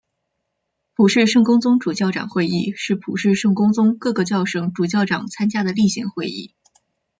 普世圣公宗主教长会议是普世圣公宗各个教省主教长参加的例行会议。